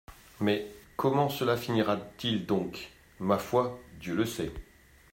»Mais, comment cela finira-t-il donc ? »Ma foi, Dieu le sait.